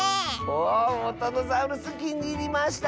おウォタノザウルスきにいりました！